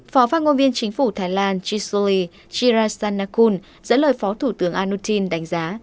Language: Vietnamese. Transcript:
phó phát ngôn viên chính phủ thái lan chisuli chirasanakul dẫn lời phó thủ tướng anutin đánh giá